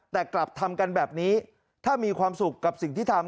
แต่กลับทำกันแบบนี้ถ้ามีความสุขกับสิ่งที่ทำ